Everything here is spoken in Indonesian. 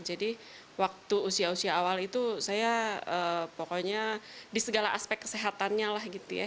jadi waktu usia usia awal itu saya pokoknya di segala aspek kesehatannya lah gitu ya